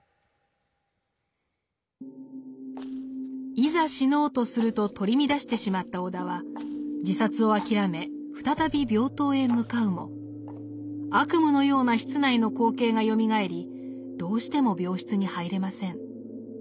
いざ死のうとすると取り乱してしまった尾田は自殺を諦め再び病棟へ向かうも悪夢のような室内の光景がよみがえりどうしても病室に入れません。